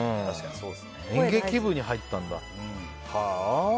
演劇部に入ったんだ。